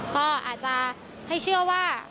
ก็อาจจะให้เชื่อว่า